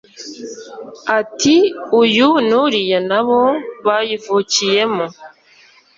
ati Uyu n’uriya na bo bayivukiyemo